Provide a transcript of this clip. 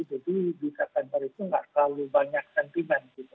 jadi di september itu tidak terlalu banyak sentimen gitu